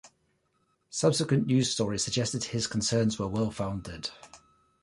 Subsequent news stories suggested his concerns were well-founded.